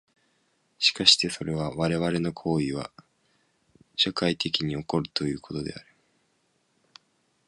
しかしてそれは我々の行為は社会的に起こるということである。